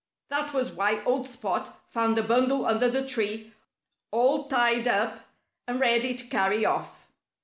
That was why old Spot found a bundle under the tree, all tied up and ready to carry off.